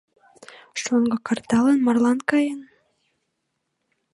Шоҥго карталан марлан каен?